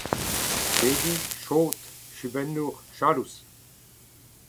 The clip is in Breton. jediñ, jod, jubennour, jalous